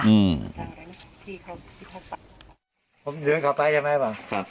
ผมเดินเข้าไปใช่ไหมครับ